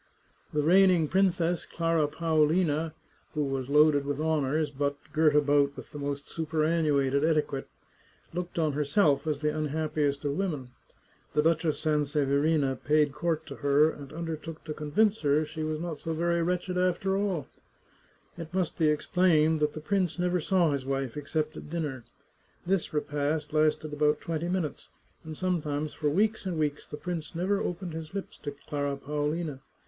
The reigning princess, Clara Paolina, who was loaded with honours, but, girt about with the most superannuated eti quette, looked on herself as the unhappiest of women. The Duchess Sanseverina paid court to her, and undertook to convince her she was not so very wretched after all. It 130 The Chartreuse of Parma must be explained that the prince never saw his wife except at dinner. This repast lasted about twenty minutes, and sometimes for weeks and weeks the prince never opened his lips to Clara Paolina.